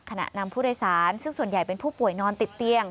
นำผู้โดยสารซึ่งส่วนใหญ่เป็นผู้ป่วยนอนติดเตียง